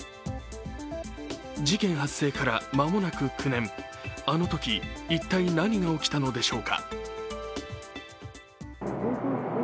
事件発生から間もなく９年、あのとき、一体何が起きたのでしょうか。